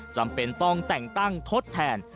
จำเป็นต้องแต่งตั้งทดแทน